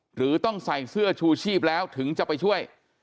หรือต้องใส่เสื้อชูชีพแล้วถึงจะไปช่วย